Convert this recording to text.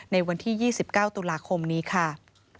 ในวันที่๒๙ตุลาคมนี้ค่ะ